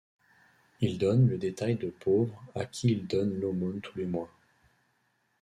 Il donne le détail de pauvres à qui il donne l'aumône tous les mois.